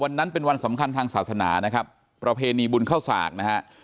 วันนั้นเป็นวันสำคัญทางศาสนานะครับประเพณีบุญเข้าสากนะฮะ